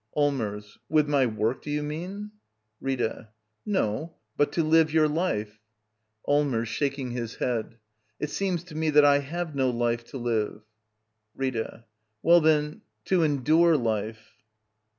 ^' Ai'LMERS. With my work, do you mean? "^ Rita. No; but to live your life. ^ Allmers. [Shaking his head.] It seems to me that I have no life to live. 'Rita. Well, then, to endure life.